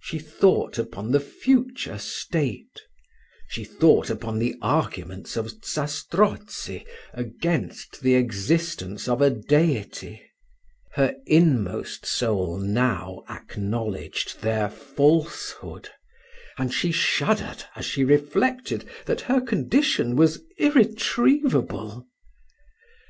She thought upon the future state she thought upon the arguments of Zastrozzi against the existence of a Deity: her inmost soul now acknowledged their falsehood, and she shuddered as she reflected that her condition was irretrievable.